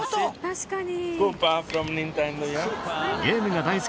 確かに。